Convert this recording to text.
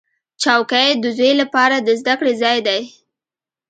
چوکۍ د زوی لپاره د زده کړې ځای دی.